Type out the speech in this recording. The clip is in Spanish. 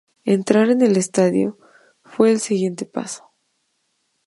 Entrar en el estudio fue el siguiente paso.